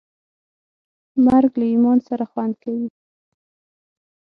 مرګ له ایمان سره خوند کوي.